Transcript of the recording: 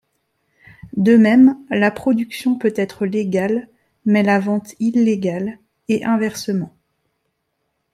De même, la production peut être légale mais la vente illégale et inversement.